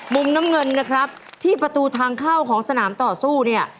มุมน้ำเงินนะครับที่ประตูทางเข้าของสนามต่อสู้เนี่ย